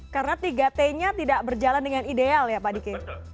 karena tiga t nya tidak berjalan dengan ideal ya pak diki